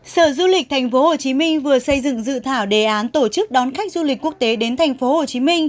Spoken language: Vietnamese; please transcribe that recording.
sở du lịch tp hcm vừa xây dựng dự thảo đề án tổ chức đón khách du lịch quốc tế đến tp hcm